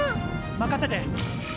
任せて。